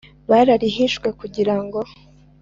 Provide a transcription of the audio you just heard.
bararihishwe kugira ngo